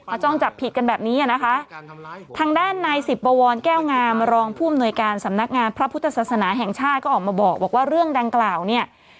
จ้องจับผิดกันแบบนี้อ่ะนะคะทางด้านนายสิบบวรแก้วงามรองผู้อำนวยการสำนักงานพระพุทธศาสนาแห่งชาติก็ออกมาบอกว่าเรื่องดังกล่าวเนี่ย